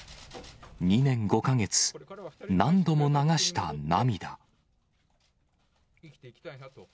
２年５か月、何度も流した涙。